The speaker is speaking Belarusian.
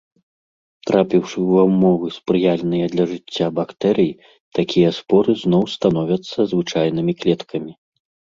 Трапіўшы ва ўмовы, спрыяльныя для жыцця бактэрый, такія споры зноў становяцца звычайнымі клеткамі.